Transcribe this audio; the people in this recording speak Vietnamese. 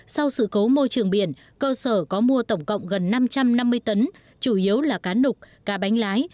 sau sự cố môi trường biển cơ sở có mua tổng cộng gần năm trăm năm mươi tấn chủ yếu là cá nục cá bánh lái